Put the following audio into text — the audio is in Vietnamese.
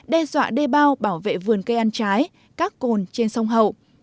đe dọa đê bao bảo vệ vườn cây ăn trái các cồn trên sông hậu